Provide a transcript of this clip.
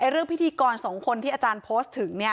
เรื่องพิธีกรสองคนที่อาจารย์โพสต์ถึง